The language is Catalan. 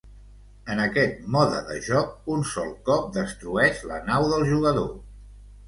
En aquest mode de joc, un sol cop destrueix la nau del jugador.